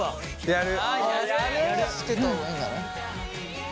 やる！